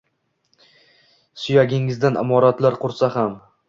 Suyagingdan imoratlar qursalar ham!